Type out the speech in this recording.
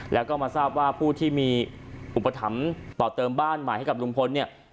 แล้วก็มาทราบว่าผู้ที่มีอุปถัมภ์ต่อเติมบ้านใหม่ให้กับลุงพลเนี่ย